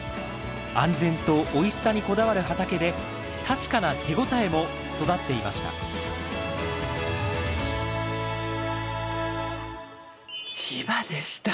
安全とおいしさにこだわる畑で確かな手応えも育っていました千葉でした！